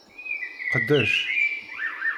Qdec.